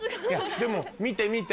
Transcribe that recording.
でも見て見て。